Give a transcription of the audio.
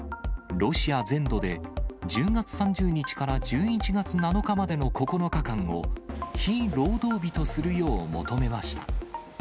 ロシア全土で１０月３０日から１１月７日までの９日間を、非労働日とするよう求めました。